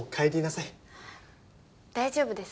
大丈夫です。